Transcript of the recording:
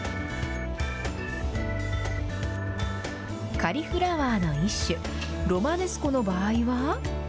カリフラワーの一種、ロマネスコの場合は。